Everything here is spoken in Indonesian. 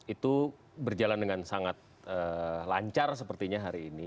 itu berjalan dengan sangat lancar sepertinya hari ini